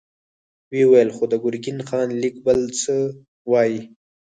ويې ويل: خو د ګرګين خان ليک بل څه وايي.